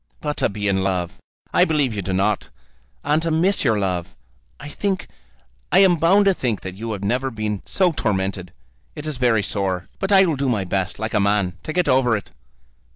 "But to be in love! I believe you do not. And to miss your love! I think, I am bound to think that you have never been so tormented. It is very sore; but I will do my best, like a man, to get over it."